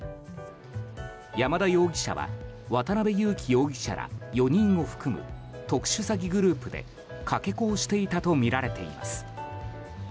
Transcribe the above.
山田容疑者は渡邉優樹容疑者ら４人を含む特殊詐欺グループでかけ子をしていたとみられています。